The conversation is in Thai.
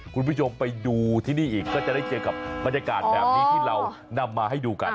คุณผู้ชมไปดูที่นี่อีกก็จะได้เจอกับบรรยากาศแบบนี้ที่เรานำมาให้ดูกัน